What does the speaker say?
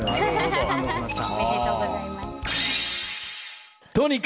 感動しました。